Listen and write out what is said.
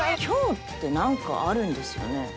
「今日って何かあるんですよね？」。